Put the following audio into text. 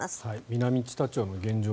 南知多町の現状